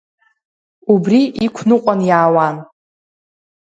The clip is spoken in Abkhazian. Убри иқәныҟәан иаауан.